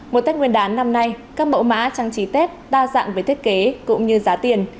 mùa tết nguyên đán năm nay các mẫu mã trang trí tết đa dạng với thiết kế cũng như giá tiền